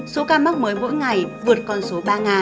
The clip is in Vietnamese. số ca mắc mới mỗi ngày vượt con số ba nga